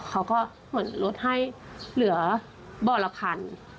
เขาก็เหมือนลดให้เหลือบ่อละคัน